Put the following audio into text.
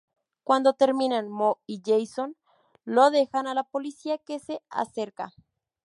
Cuando terminan, Mo y Jason los dejan a la policía que se acerca.